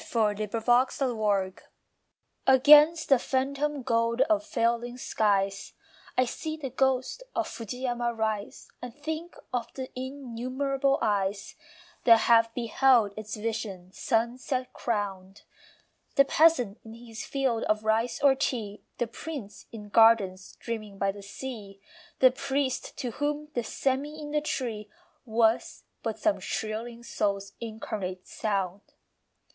FAR FUJIYAMA Against the phantom gold of failing skies I see the ghost of Fujiyama rise And think of the innumerable eyes That have beheld its vision sunset crowned. The peasant in his field of rice or tea, The prince in gardens dreaming by the sea, The priest to whom the sêmi in the tree Was but some shrilling soul's incarnate sound.